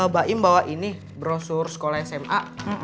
mbak im bawa ini brosur sekolah sma